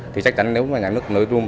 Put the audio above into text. thì chắc chắn nếu mà nhà nước nối rum